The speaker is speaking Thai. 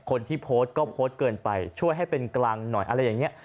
คนที่โพสต์ก็โพสต์เกินไปช่วยให้เป็นกลางหน่อยอะไรอย่างนี้